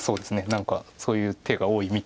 何かそういう手が多いみたいです。